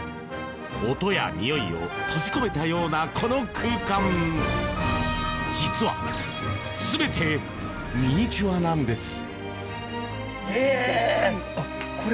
音や、においを閉じ込めたようなこの空間実は、全てミニチュアなんです。